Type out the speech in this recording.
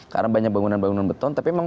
karena banyak bangunan bangunan beton tapi memang